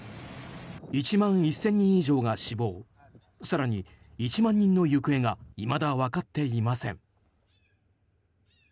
１万１０００人以上が死亡更に、１万人の行方がいまだ分かっていません。